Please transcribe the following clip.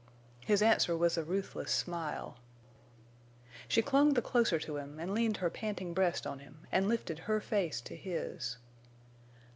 His answer was a ruthless smile. She clung the closer to him, and leaned her panting breast on him, and lifted her face to his.